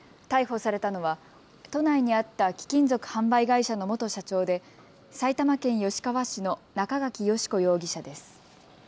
逮捕されたのは都内にあった貴金属販売会社の元社長で埼玉県吉川市の中垣佳子容疑者です。